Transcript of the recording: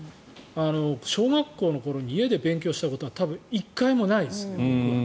小学校の頃に家で勉強したことは多分、一回もないです。